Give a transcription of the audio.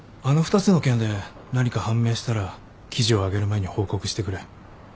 あの２つの件で何か判明したら記事を上げる前に報告してくれ。